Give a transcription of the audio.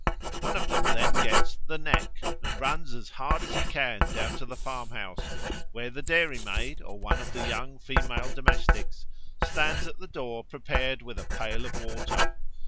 One of them then gets 'the neck' and runs as hard as he can down to the farmhouse, where the dairymaid, or one of the young female domestics, stands at the door prepared with a pail of water.